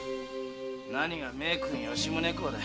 何が名君吉宗公だ。